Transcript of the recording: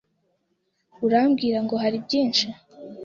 Urambwira ngo hari byinshi?